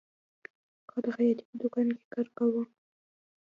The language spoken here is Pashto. هغه د خیاطۍ په دکان کې کار کاوه